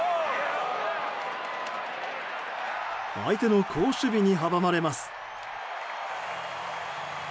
相手の好守備に阻まれます。